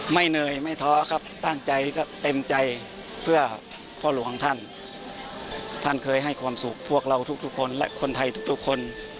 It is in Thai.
เหนื่อยไม่ท้อครับตั้งใจก็เต็มใจเพื่อพ่อหลวงของท่านท่านเคยให้ความสุขพวกเราทุกคนและคนไทยทุกคน